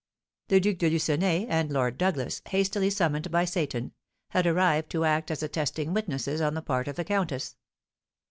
The Duc de Lucenay and Lord Douglas, hastily summoned by Seyton, had arrived to act as attesting witnesses on the part of the countess.